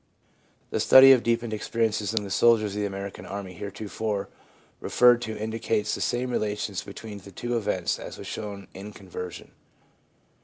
The study of deepened experiences among the soldiers of the American army heretofore referred to indicates the same relations between the two events as was shown in conversion.